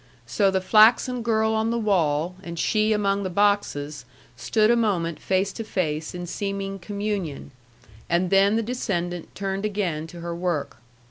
So the flaxen girl on the wall and she among the boxes stood a moment face to face in seeming communion, and then the descendant turned again to her work.